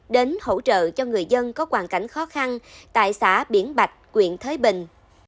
đến hỗ trợ cho người dân có hoàn cảnh khó khăn tại xã biển bạch quyện thới bình